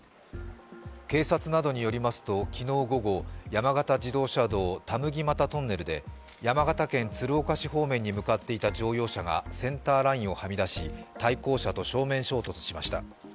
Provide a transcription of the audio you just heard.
警察などによりますと昨日午後、山形自動車道・田麦俣トンネルで山形県鶴岡市方面に向かっていた乗用車がセンターラインをはみ出し、対向車と正面衝突しました。